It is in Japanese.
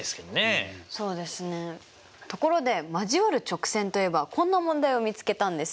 ところで交わる直線といえばこんな問題を見つけたんですよ。